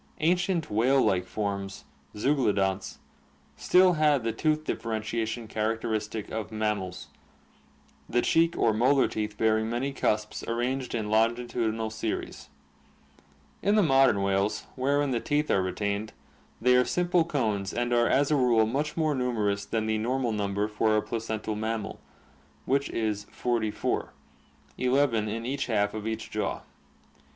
Ancient whale like forms (zeuglodonts) still had the tooth differentiation characteristic of mammals, the cheek or molar teeth bearing AQUATIC ADAPTATION 333 many cusps arranged in longitudinal series (see Fig. 70). In the modern whales, wherein the teeth are retained, they are simple cones and are as a rule much more numerous than the normal number for a placental mammal, which is forty four, eleven in each half of each jaw.